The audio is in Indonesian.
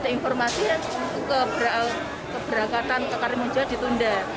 informasi keberangkatan ke karimunjawa ditunda